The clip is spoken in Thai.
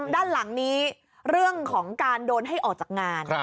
ด้านหลังนี้เรื่องของการโดนให้ออกจากงาน